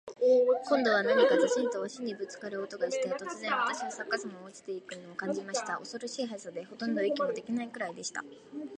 今度は何かズシンと鷲にぶっつかる音がして、突然、私はまっ逆さまに落ちて行くのを感じました。恐ろしい速さで、ほとんど息もできないくらいでした。